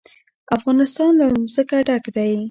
افغانستان له ځمکه ډک دی.